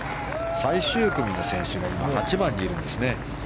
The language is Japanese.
最終組の２人が今８番にいるんですね。